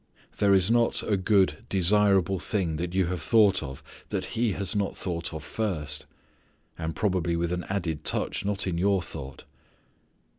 There is not a good desirable thing that you have thought of that He has not thought of first, and probably with an added touch not in your thought.